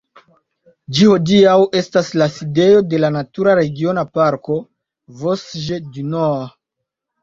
Ĝi hodiaŭ estas la sidejo de la natura regiona parko "Vosges du Nord".